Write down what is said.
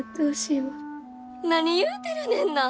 何言うてるねんな！